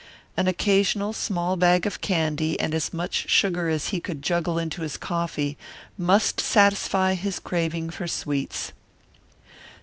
An occasional small bag of candy and as much sugar as he could juggle into his coffee must satisfy his craving for sweets.